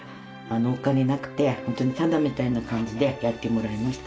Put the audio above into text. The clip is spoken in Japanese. お金なくて本当にタダみたいな感じでやってもらいました。